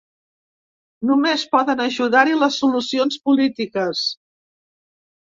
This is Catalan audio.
Només poden ajudar-hi les solucions polítiques.